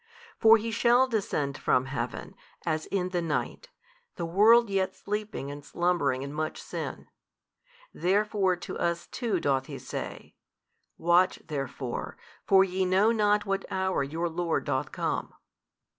For He shall descend from Heaven, as in the night, the world yet sleeping and slumbering in much sin. Therefore to us too doth He say, Watch therefore, for ye know not what hour your Lord doth come.